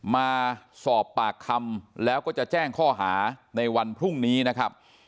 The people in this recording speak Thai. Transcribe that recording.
มาสอบปากคำแล้วก็จะแจ้งข้อหาในวันพรุ่งนี้นะครับ